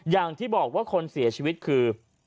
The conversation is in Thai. อย่างที่บอกว่าคนเสียชีวิตคือ